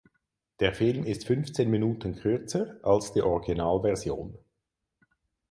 Der Film ist fünfzehn Minuten kürzer, als die Originalversion.